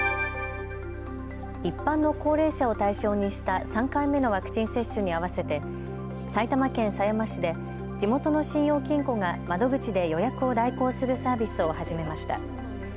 一般の高齢者を対象にした３回目のワクチン接種に合わせて埼玉県狭山市で地元の信用金庫が窓口で予約を代行するサービスを始めました。